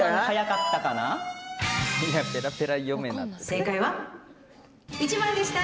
正解は、１番でした。